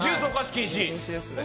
禁止ですね